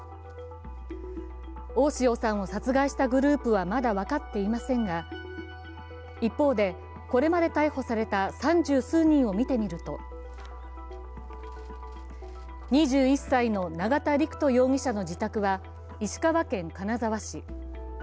大塩さんを殺害したグループはまだ分かっていませんが一方で、これまで逮捕された三十数人を見てみると２１歳の永田陸人容疑者の自宅は石川県金沢市。